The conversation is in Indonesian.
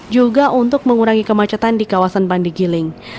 juga untuk mengurangi kemacetan di kawasan pandigiling